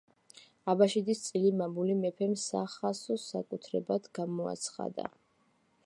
აბაშიძის წილი მამული მეფემ სახასო საკუთრებად გამოაცხადა.